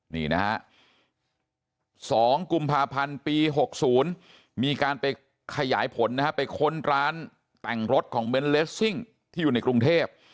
นี่นะฮะ๒กุมภาพันธ์ปี๖๐มีการไปขยายผลนะฮะไปค้นร้านแต่งรถของเบนทเลสซิ่งที่อยู่ในกรุงเทพ